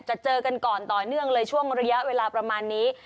เจอกันก่อนต่อเนื่องเลยช่วงระยะเวลาประมาณนี้